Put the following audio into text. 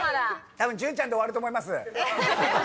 たぶん潤ちゃんで終わると思います。